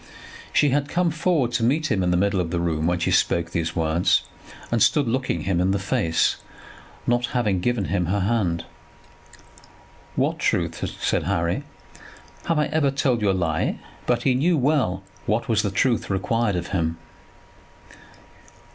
She had come forward to meet him in the middle of the room when she spoke these words, and stood looking him in the face, not having given him her hand. "What truth?" said Harry. "Have I ever told you a lie?" But he knew well what was the truth required of him.